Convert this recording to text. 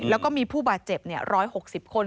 แล้วก็มีผู้บาดเจ็บ๑๖๐คน